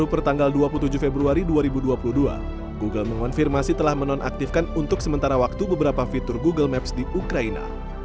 baru pertanggal dua puluh tujuh februari dua ribu dua puluh dua google mengonfirmasi telah menonaktifkan untuk sementara waktu beberapa fitur google maps di ukraina